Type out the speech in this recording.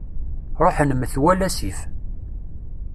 Ṛuḥen metwal asif.